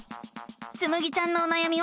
つむぎちゃんのおなやみは何かな？